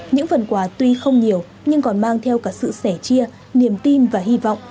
những phần quà tuy không nhiều nhưng còn mang theo cả sự sẻ chia niềm tin và hy vọng